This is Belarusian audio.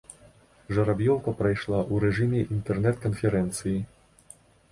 Жараб'ёўка прайшла ў рэжыме інтэрнэт-канферэнцыі.